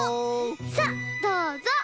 さあどうぞ！